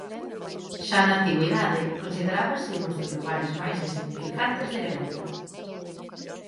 Xa na antigüidade considerábase un dos lugares máis insignificantes de Grecia.